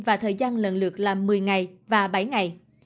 và thời gian lần lượt là một mươi ngày và bảy ngày